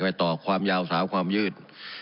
ต่อความยาวสาวความยืด